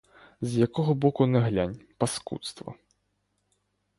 З якого боку не глянь — паскудство.